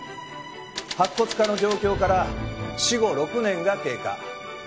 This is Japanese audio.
白骨化の状況から死後６年が経過。